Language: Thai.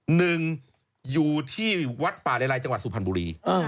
หนึ่งอยู่ที่วัดปาเลไลจังหวัดสุพรรณบุรี